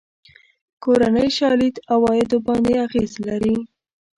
کورنۍ شالید عوایدو باندې اغېز لري.